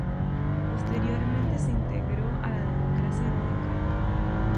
Posteriormente se integró a la Democracia Radical.